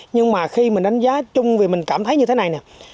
nhưng mà khi mình đánh giá chung vì mình cảm thấy như thế này nè